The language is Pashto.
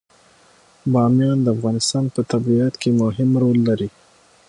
بامیان د افغانستان په طبیعت کې مهم رول لري.